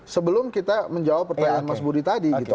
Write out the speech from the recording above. sebelum kita menjawab pertanyaan mas budi tadi gitu